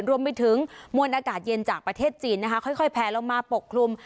รวมไปถึงมวลอากาศเย็นจากประเทศจีนนะคะค่อยแผลลงมาปกคลุม